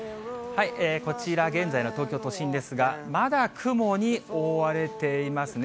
こちら、現在の東京都心ですが、まだ雲に覆われていますね。